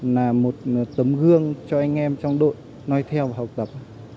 là một tấm gương cho anh em trong đội nói theo và học tập